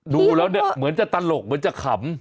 ดูแล้วเนี่ยเหมือนจะตลกเหมือนจะขำ